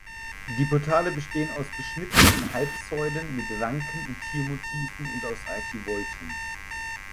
Die Portale bestehen aus beschnitzten Halbsäulen mit Ranken- und Tiermotiven und aus Archivolten.